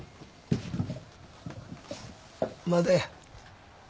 まだや。